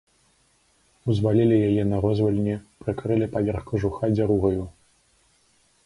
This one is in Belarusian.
Узвалілі яе на розвальні, прыкрылі паверх кажуха дзяругаю.